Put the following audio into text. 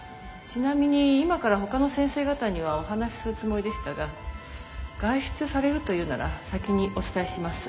ちなみに今からほかの先生方にはお話しするつもりでしたが外出されるというなら先にお伝えします。